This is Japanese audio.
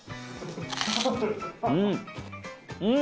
うん！